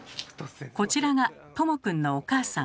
こちらがとも君のお母さん。